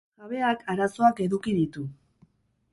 Jabeak arazoak eduki ditu.